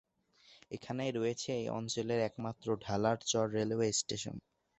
এইখানে রয়েছে এই অঞ্চলের একমাত্র ঢালারচর রেলওয়ে স্টেশন।